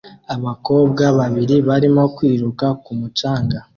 Abakobwa babiri barimo kwiruka ku mucanga